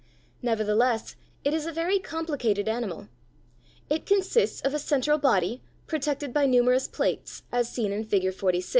Nevertheless, it is a very complicated animal. It consists of a central body, protected by numerous plates, as seen in Figure 46.